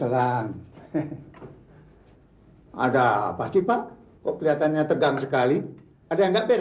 empat tahun yang lalu pak pur